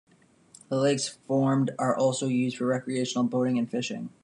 The lakes formed are also used for recreational boating and fishing.